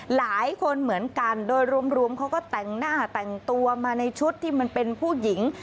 หลายคนเหมือนกันโดยรวมเขาก็แต่งหน้าแต่งตัวมาในชุดที่มันเป็นผู้หญิง